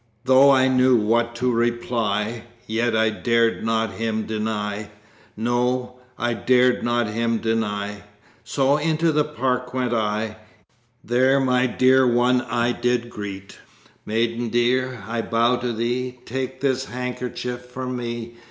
"Though I knew what to reply, Yet I dared not him deny, No, I dared not him deny! So into the park went I, In the park my lad to meet, There my dear one I did greet." "Maiden dear, I bow to thee! Take this handkerchief from me.